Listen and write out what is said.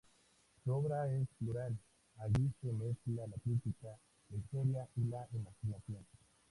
Su obra es plural, allí se mezcla la crítica, la historia y la imaginación.